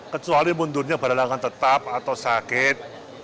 kecuali mundurnya beralangan tetap atau sakit